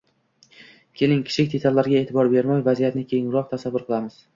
Keling, kichik detallarga e’tibor bermay, vaziyatni kengroq tasavvur qilamiz.